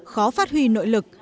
khó phát huy nội lực